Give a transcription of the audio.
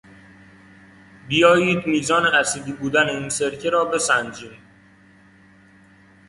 بیایید میزان اسیدی بودن این سرکه را بسنجیم.